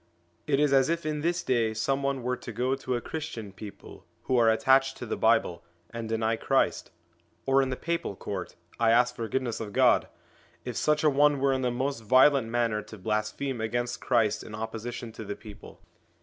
It is as if in this day some one were to go to a Christian people who are attached to the Bible, and deny Christ ; or in the Papal Court I ask forgive ness of God ! if such a one were in the most violent manner to blaspheme against Christ in opposition to the people.